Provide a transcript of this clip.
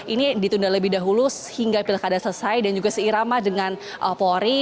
ini ditunda lebih dahulu hingga pilkada selesai dan juga seirama dengan polri